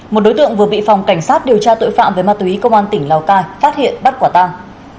một đối tượng vừa bị phòng cảnh sát điều tra tội phạm về ma túy công an tỉnh lào cai phát hiện bắt quả tang